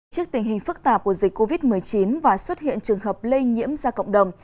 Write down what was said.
trước tình hình phức tạp của dịch covid một mươi chín và xuất hiện trường hợp lây nhiễm ra cộng đồng